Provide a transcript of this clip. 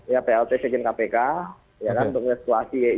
ya plt presiden kpk ya kan untuk melihat situasi